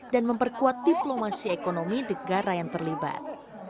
dan memperkuat diplomasi ekonomi negara yang terlibat